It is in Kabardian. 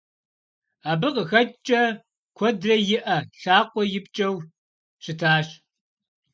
Абы къыхэкӏкӏэ, куэдрэ и ӏэ, лъакъуэ ипкӏэу щытащ.